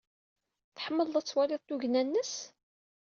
Tḥemmleḍ ad twaliḍ tugna-nnes?